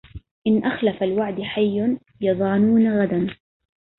إن أخلف الوعد حي يظعنون غدا